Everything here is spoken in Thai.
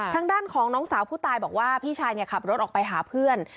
ทางด้านของน้องสาวผู้ตายบอกว่าพี่ชายขับรถออกไปหาเพื่อน